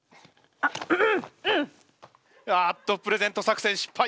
あっとプレゼント作戦失敗。